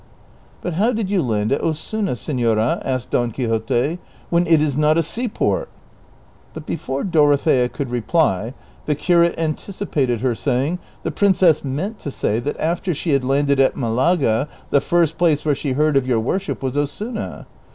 " But how did you land at Osuna, seiiora," asked Don Quixote, " when it is not a seaport ?"^ But before Dorothea could reply the curate anticipated her, saying, '' The princess meant to say that after she had landed at Malaga the first place where she heard of your worship was Osuna."